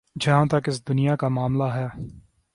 جہاں تک اس دنیا کا معاملہ ہے۔